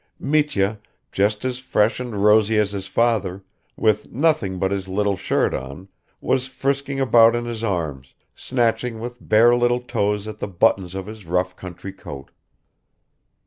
Mitya, just as fresh and rosy as his father, with nothing but his little shirt on, was frisking about in his arms, snatching with bare little toes at the buttons of his rough country coat.